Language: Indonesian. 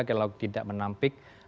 kalau tidak menampik